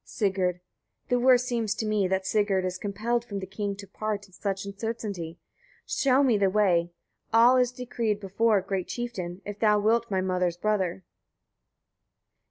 Sigurd. 24. The worst seems to me, that Sigurd is compelled from the king to part in such uncertainty. Show me the way all is decreed before great chieftain! if thou wilt, my mother's brother!